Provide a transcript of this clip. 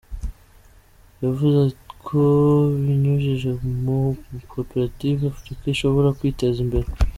Yavuze ko binyujijwe mu makoperative, Afurika ishobora kwiteza imbere.